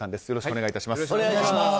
よろしくお願いします。